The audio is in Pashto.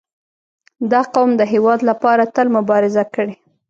• دا قوم د هېواد لپاره تل مبارزه کړې.